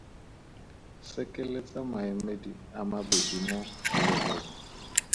Sekeletsa maemedi a mabedi mo polelong.